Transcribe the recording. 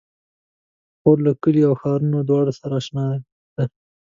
خور له کليو او ښارونو دواړو سره اشنا ده.